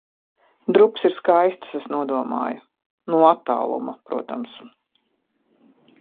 Drupas ir skaistas, es nodomāju. No attāluma, protams.